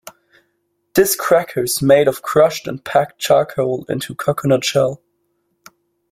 This cracker is made of Crushed and packed charcoal into Coconut shell.